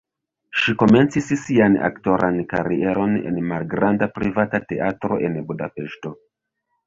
Ŝi komencis sian aktoran karieron en malgranda privata teatro en Budapeŝto.